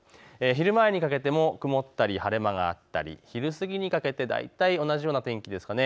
昼前にかけても曇ったり晴れ間があったり昼過ぎにかけて大体同じような天気です。